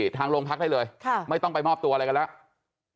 ทางโรงพักได้เลยไม่ต้องไปมอบตัวอะไรกันแล้ว